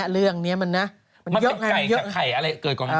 เรื่องนี้มันเกิดกว่าไข่อะไร